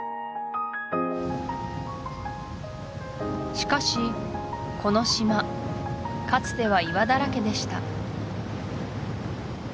しかしこの島かつては岩だらけでした